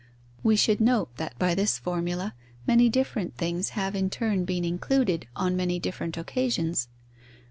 We should note that by this formula many different things have in turn been included on many different occasions.